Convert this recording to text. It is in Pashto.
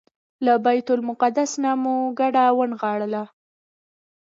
له بیت المقدس نه مو کډه ونغاړله.